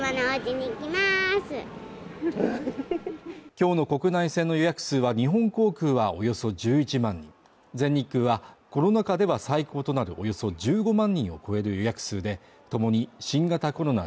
きょうの国内線の予約数は日本航空はおよそ１１万人全日空はコロナ禍では最高となるおよそ１５万人を超える予約数で共に新型コロナ